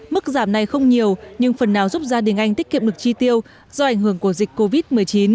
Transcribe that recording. mức giảm này không nhiều nhưng phần nào giúp gia đình anh tiết kiệm được chi tiêu do ảnh hưởng của dịch covid một mươi chín